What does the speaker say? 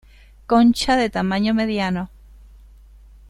Concha de tamaño mediano.